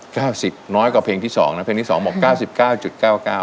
เก้าสิบน้อยกว่าเพลงที่สองนะเพลงที่สองบอกเก้าสิบเก้าจุดเก้าเก้า